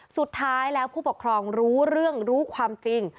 สุดท้ายแล้วผู้ปกครองรู้เรื่องรู้ความจริง